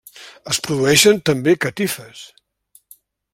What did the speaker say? Es produeixen també catifes.